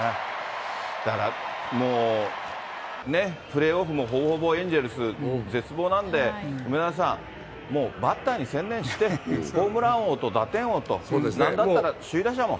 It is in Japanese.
だからもうね、プレーオフもほぼほぼエンゼルス、絶望なんで、梅沢さん、もうバッターに専念して、ホームラン王と打点王と、なんだったら首位打者も。